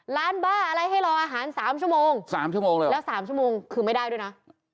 ร้านบ้าอะไรให้รออาหาร๓ชั่วโมง๓ชั่วโมงเลยแล้ว๓ชั่วโมงคือไม่ได้ด้วยนะ